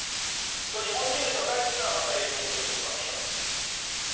それ日本人の人が帰ってきたら、また営業するってことなんですかね。